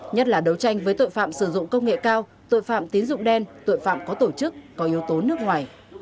nhất là đấu tranh với tội phạm sử dụng công nghệ cao tội phạm tín dụng đen tội phạm có tổ chức có yếu tố nước ngoài